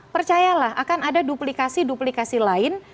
percayalah akan ada duplikasi duplikasi lain